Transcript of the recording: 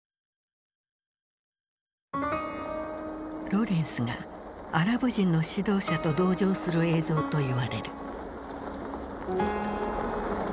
ロレンスがアラブ人の指導者と同乗する映像と言われる。